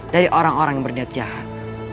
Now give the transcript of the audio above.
dari orang orang yang berniat jahat